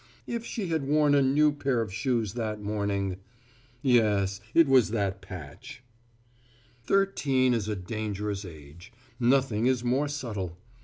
If she had worn a pair of new shoes that morning. ... Yes, it was that patch. Thirteen is a dangerous age: nothing is more subtle.